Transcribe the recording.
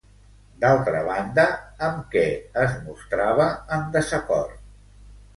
D'altra banda, amb què es mostrava en desacord?